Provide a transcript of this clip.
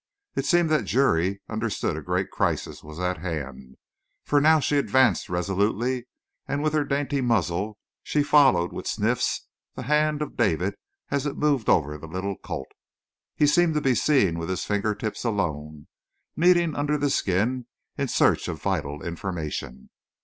It seemed that Juri understood a great crisis was at hand; for now she advanced resolutely and with her dainty muzzle she followed with sniffs the hand of David as it moved over the little colt. He seemed to be seeing with his finger tips alone, kneading under the skin in search of vital information.